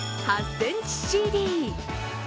ｃｍＣＤ。